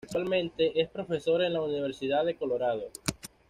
Actualmente es profesor en la Universidad de Colorado.